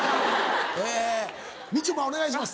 えみちょぱお願いします。